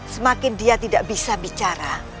semakin dia tidak bisa bicara